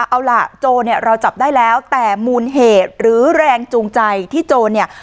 เอาล่ะโจรเนี่ยเราจับได้แล้วแต่มูลเหตุหรือแรงจูงใจที่โจรเนี่ย